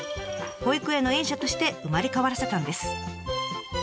保育園の園舎として生まれ変わらせたんです。